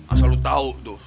asal lu tau tuh